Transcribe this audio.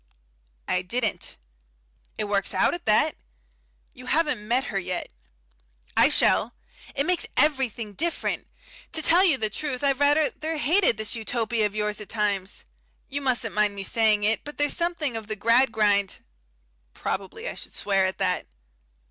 "I didn't." "It works out at that." "You haven't met her yet." "I shall. It makes everything different. To tell you the truth I've rather hated this Utopia of yours at times. You mustn't mind my saying it, but there's something of the Gradgrind " Probably I should swear at that.